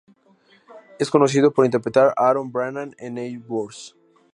Es conocido por interpretar a Aaron Brennan en "Neighbours".